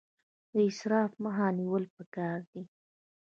د اسراف مخه نیول پکار دي